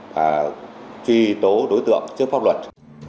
và truy tố đối tượng trước pháp luật